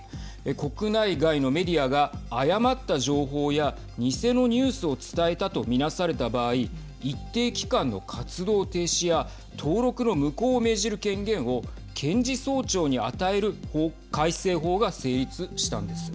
国内外のメディアが誤った情報や偽のニュースを伝えたとみなされた場合一定期間の活動停止や登録の無効を命じる権限を検事総長に与える改正法が成立したんです。